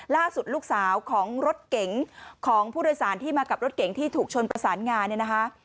ล่าสุดลูกสาวของรถเก๋งของผู้โดยสารที่มากับรถเก๋งที่ถูกชนประสานงานเนี่ยนะคะ